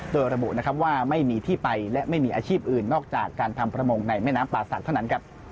โดยระบุนะครับว่าไม่มีที่ไปและไม่มีอาชีพอื่นนอกจากการทำประมงในแม่น้ำป่าศักดิ์เท่านั้น